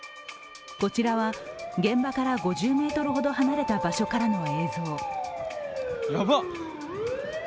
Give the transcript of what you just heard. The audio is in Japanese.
こちらは現場から５０ｍほど離れた場所からの映像。